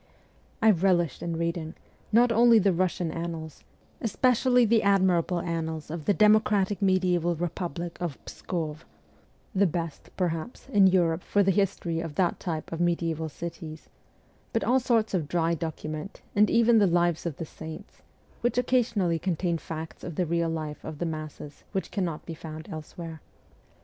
I relished in reading, not only the Russian annals, especially the admirable annals of the democratic mediaeval republic of Pskov the best, perhaps, in Europe for the history of that type of mediaeval cities but all sorts of dry documents, and even the Lives of the Saints, which occasionally contain facts of the real life of the masses which cannot be found elsewhere.